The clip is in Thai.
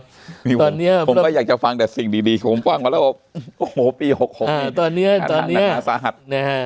ผมก็อยากจะฟังแต่สิ่งดีผมกว้างมาแล้วโอ้โหปี๖๖นาศาสตร์